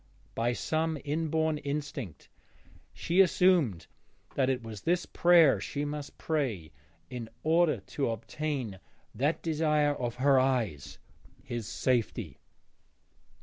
By some inborn instinct she assumed that it was this prayer she must pray in order to obtain that desire of her eyes, his safety.